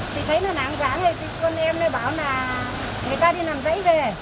thì thấy nó nắng rán thì con em nó bảo là người ta đi làm giấy về